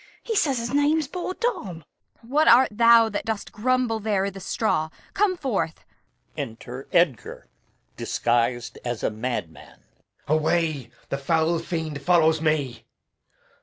He says his name's poor Tom. Kent. What art thou that dost grumble there i' th' straw? Come forth. Enter Edgar [disguised as a madman]. Edg. Away! the foul fiend follows me!